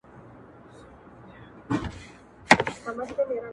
بايد د درېيمي فضا له لاري